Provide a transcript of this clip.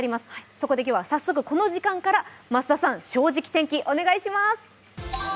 そこで今日は早速この時間から、増田さん、「正直天気」お願いします。